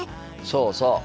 そうそう。